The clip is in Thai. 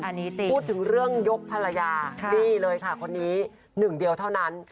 อันนี้จริงพูดถึงเรื่องยกภรรยาคนนี้นึงเดียวเท่านั้น